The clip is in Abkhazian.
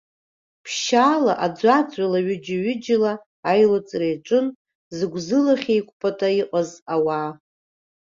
Ԥшьаала, аӡәаӡәала, ҩыџьа-ҩыџьала аилыҵра иаҿын, зыгәзылахь еиқәпата иҟаз ауаа.